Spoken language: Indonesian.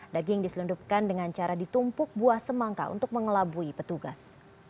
daging diselundupkan dengan cara ditumpuk buah semangka untuk mengelabui petugas